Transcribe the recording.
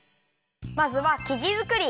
まずはきじづくり！